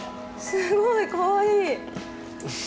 すごい！かわいい。